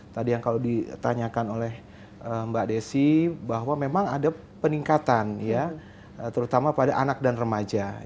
tadi yang kalau ditanyakan oleh mbak desi bahwa memang ada peningkatan ya terutama pada anak dan remaja